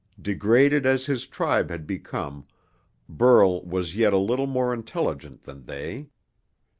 Degraded as his tribe had become, Burl was yet a little more intelligent than they.